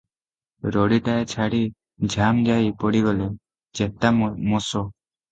ରଡ଼ିଟାଏ ଛାଡ଼ି ଝାମ ଯାଇ ପଡ଼ି ଗଲେ, ଚେତା ମୋଷ ।